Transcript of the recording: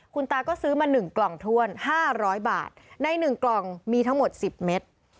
คุณตาก็ซื้อมา๑กล่องถ้วน๕๐๐บาทใน๑กล่องมีทั้งหมด๑๐เมตร